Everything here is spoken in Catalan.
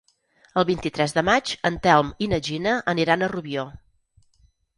El vint-i-tres de maig en Telm i na Gina aniran a Rubió.